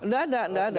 nggak ada nggak ada